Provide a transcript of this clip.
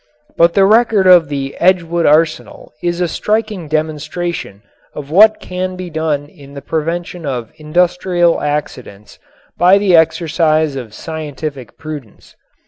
But the record of the Edgewood Arsenal is a striking demonstration of what can be done in the prevention of industrial accidents by the exercise of scientific prudence.